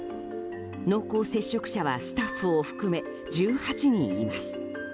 濃厚接触者はスタッフを含め１８人います。